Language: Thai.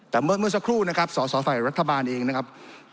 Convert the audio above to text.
แต่เมื่อสักครู่นะครับสสฝ่ายรัฐบาลเองนะครับ